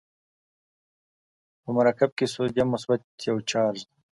په مرکب کې سودیم مثبت یو چارج دی.